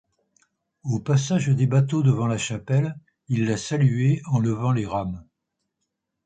Au passage des bateaux devant la chapelle, ils la saluaient en levant les rames.